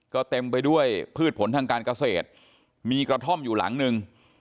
ก็เต็มไปด้วยพืชผลทางการเกษตรมีกระท่อมอยู่หลังนึง